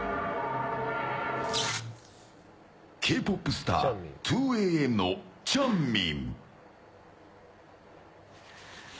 Ｋ‐ＰＯＰスター２ａｍのチャンミン。